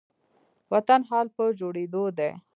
وطن حال په جوړيدو دي